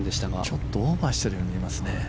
ちょっとオーバーしているように見えますね。